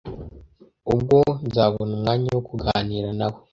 ubwo nzabona umwanya wo kuganira nawe